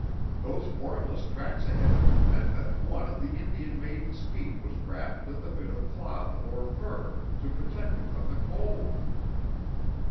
Those formless tracks ahead of him meant that one of the Indian maiden's feet was wrapped with a bit of cloth or fur to protect it from the cold.